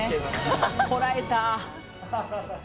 こらえた。